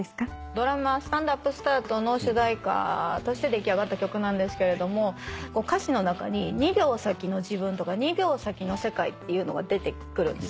ドラマ『スタンドＵＰスタート』の主題歌として出来上がった曲なんですけれども歌詞の中に「２秒先の自分」とか「２秒先の世界」っていうのが出てくるんですね。